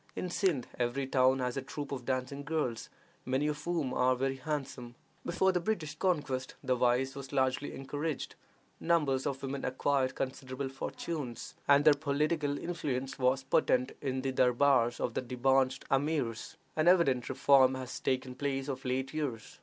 In Sindh every town has a troop of dancing girls, many of whom are very handsome. Before the British conquest the vice was largely encouraged; numbers of the women acquired considerable fortunes, and their political influence was potent in the durbars of the debauched Amirs. An evident reform has taken place of late years.